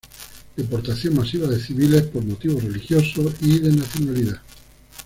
Deportación masiva de civiles por motivos religiosos y de nacionalidad.